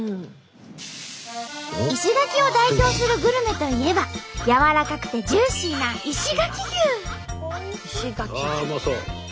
石垣を代表するグルメといえばやわらかくてジューシーなああうまそう！